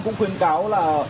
cũng khuyên cáo là